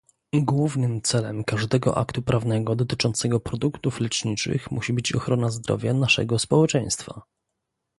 Głównym celem każdego aktu prawnego dotyczącego produktów leczniczych musi być ochrona zdrowia naszego społeczeństwa